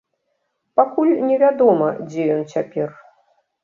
Пакуль невядома, дзе ён цяпер.